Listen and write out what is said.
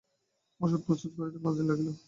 ঔষধ প্রস্তুত করিতে পাঁচ দিন লাগিল।